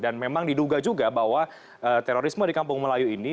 memang diduga juga bahwa terorisme di kampung melayu ini